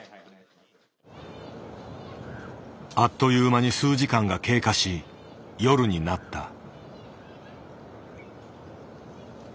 あっという間に数時間が経過し夜になった。